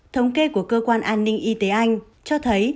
thống kê của cơ quan an ninh y tế anh cho thấy